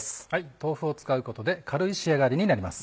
豆腐を使うことで軽い仕上がりになります。